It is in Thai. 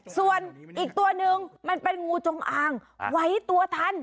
ส่วนอีกตัวนึงมันเป็นงูจงอางไว้ตัวทัน